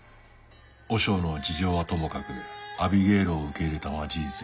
和尚の事情はともかくアビゲイルを受け入れたんは事実や。